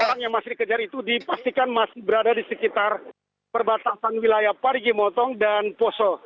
orang yang masih dikejar itu dipastikan masih berada di sekitar perbatasan wilayah parigi motong dan poso